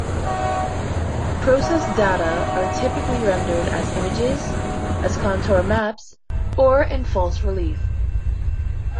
Processed data are typically rendered as images, as contour maps, or in false relief.